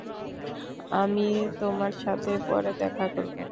আমি তোমার সাথে পরে দেখা করব।